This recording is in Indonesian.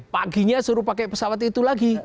paginya suruh pakai pesawat itu lagi